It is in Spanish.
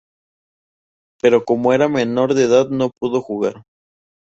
Pero como era menor de edad no pudo jugar.